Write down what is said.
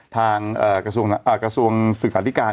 กระทรวงศึกษาธิการ